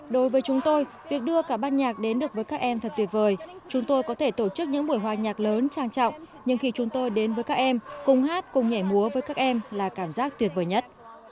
đối với chúng tôi việc đưa cả ban nhạc đến được với các em thật tuyệt vời chúng tôi có thể tổ chức những buổi hòa nhạc lớn trang trọng nhưng khi chúng tôi đến với các em cùng hát cùng nhảy múa với các em là cảm giác tuyệt vời nhất